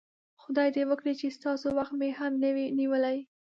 خدای دې وکړي چې ستاسو وخت مې هم نه وي نیولی.